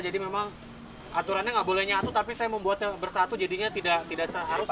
jadi memang aturannya gak boleh nyatu tapi saya membuatnya bersatu jadinya tidak seharusnya